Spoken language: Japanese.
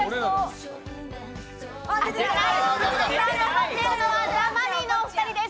残っているのはザ・マミィのお２人です。